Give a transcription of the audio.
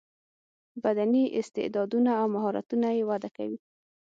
بدني استعداونه او مهارتونه یې وده کوي.